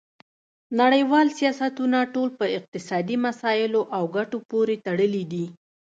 نړیوال سیاستونه ټول په اقتصادي مسایلو او ګټو پورې تړلي دي